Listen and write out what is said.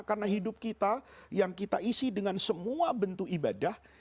karena hidup kita yang kita isi dengan semua bentuk ibadah